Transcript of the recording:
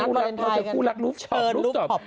เขาจะคู่รักลูฟท็อป